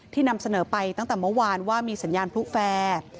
นำเสนอไปตั้งแต่เมื่อวานว่ามีสัญญาณพลุแฟร์